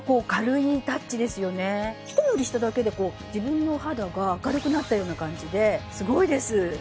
ひと塗りしただけで自分のお肌が明るくなったような感じですごいです。